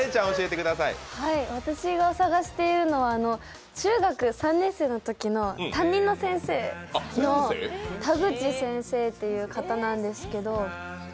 私が探しているのは中学３年生のときの担任の先生の田口先生という方なんですけど。